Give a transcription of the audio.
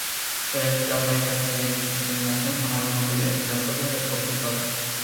Se registraron varios incidentes de discriminación con algunos hallazgos de apoyo del propio estado.